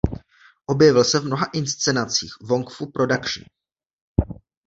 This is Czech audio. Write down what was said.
Objevil se v mnoha inscenacích Wong Fu Productions.